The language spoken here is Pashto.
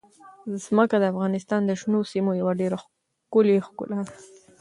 ځمکه د افغانستان د شنو سیمو یوه ډېره ښکلې ښکلا ده.